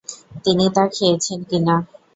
তিনি তা খেয়েছেন কিনা।